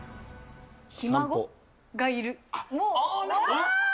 ひ孫？がいる。